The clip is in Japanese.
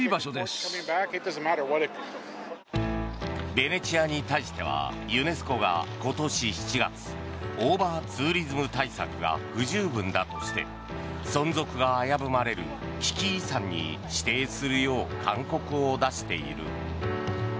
ベネチアに対してはユネスコが今年７月オーバーツーリズム対策が不十分だとして存続が危ぶまれる危機遺産に指定するよう勧告を出している。